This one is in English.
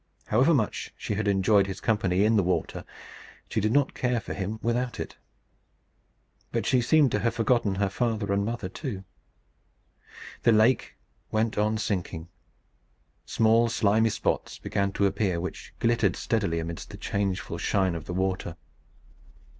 However much she had enjoyed his company in the water, she did not care for him without it. But she seemed to have forgotten her father and mother too. The lake went on sinking. Small slimy spots began to appear, which glittered steadily amidst the changeful shine of the water.